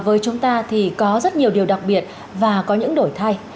với chúng ta thì có rất nhiều điều đặc biệt và có những đổi thay